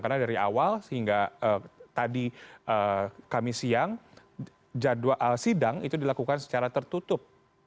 karena dari awal sehingga tadi kami siang jadwal sidang itu dilakukan secara tertutup